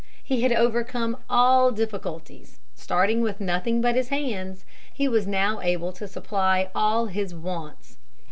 He had overcome all difficulties. Starting with nothing but his hands, he was now able to supply all his wants.